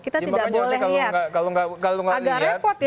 kita tidak boleh lihat